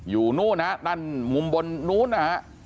อยู่นู่นฮะนั่นมุมบนนู้นนะฮะ